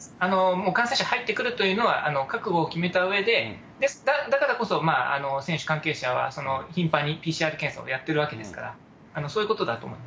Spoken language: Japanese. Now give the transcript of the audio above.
もう感染者は入ってくるというのは、覚悟を決めたうえで、だからこそ選手、関係者は、頻繁にＰＣＲ検査をやってるわけですから、そういうことだと思い